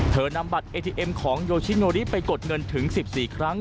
นำบัตรเอทีเอ็มของโยชิโนริไปกดเงินถึง๑๔ครั้ง